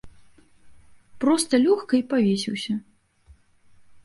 Проста лёгка і павесіўся!